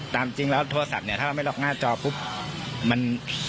ถ้าไม่ล็อกหน้าจอปุ๊บมัน